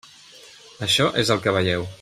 Això és el que veieu.